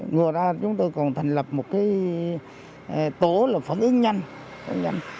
ngồi ra chúng tôi còn thành lập một tổ phản ứng nhanh